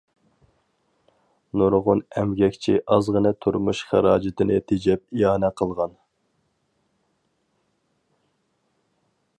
نۇرغۇن ئەمگەكچى ئازغىنە تۇرمۇش خىراجىتىنى تېجەپ ئىئانە قىلغان.